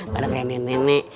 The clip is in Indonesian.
kadang kayak nenek nenek